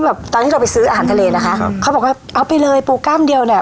แบบตอนที่เราไปซื้ออาหารทะเลนะคะครับเขาบอกว่าเอาไปเลยปูกล้ามเดียวเนี้ย